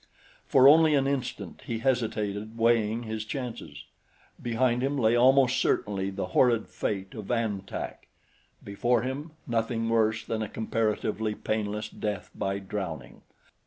For only an instant he hesitated weighing his chances. Behind him lay almost certainly the horrid fate of An Tak; before him nothing worse than a comparatively painless death by drowning.